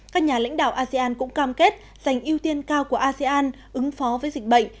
các nhà lãnh đạo asean cũng cam kết dành ưu tiên cao của asean ứng phó với dịch bệnh